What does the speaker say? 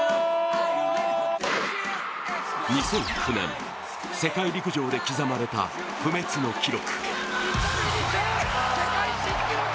２００９年、世界陸上で刻まれた不滅の記録。